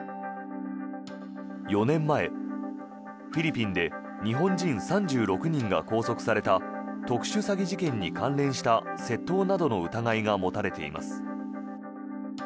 ４年前、フィリピンで日本人３６人が拘束された特殊詐欺事件に関連した窃盗などの疑いが持たれています。